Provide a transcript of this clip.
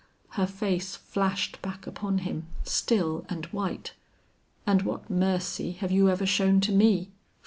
Her face flashed back upon him, still and white. "And what mercy have you ever shown to me!